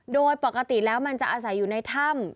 โดยปกติแล้วมันจะอาศัยอยู่ในถ้ำ